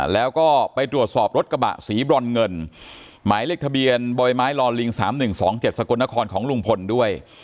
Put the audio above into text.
แล้วก็ไปตรวจสอบรถกระบะสีบรอนเงินหมายเลขทะเบียนบ่อยไม้ลอลิง๓๑๒๗สกลนครของลุงพลด้วย